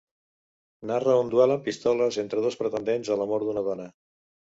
Narra un duel amb pistoles entre dos pretendents a l'amor d'una dona.